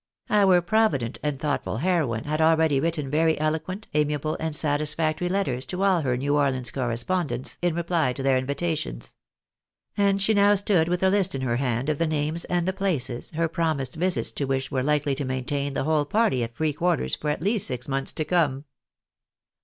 Our provident and thoughtful heroine had already written very 168 THE BARNADW IJN AJViJSKiua. eloquent, amiable, and. satisfactory letters to aU her New Orleans co respondents, in reply to their invitations ; and she now stood •with a list in her hand of the names and the places, her promised visits to which were likely to maintain the whole party at free quar ters for at least six months to come.